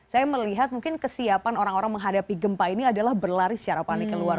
saya melihat mungkin kesiapan orang orang menghadapi gempa ini adalah berlari secara panik keluar